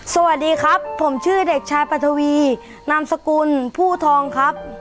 สวัสดีครับผมชื่อเด็กชายปัทวีนามสกุลผู้ทองครับ